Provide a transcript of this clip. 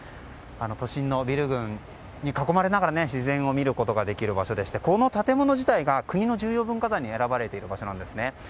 都心のビル群に囲まれながら自然を見ることができる場所でこの建物自体が国の重要文化財に選ばれている場所なんですね。